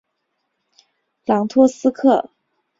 朗托斯克。